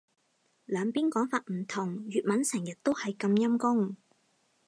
兩邊講法唔同。粵文成日都係咁陰功